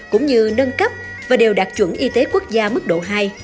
cũng như nâng cấp và đều đạt chuẩn y tế quốc gia mức độ hai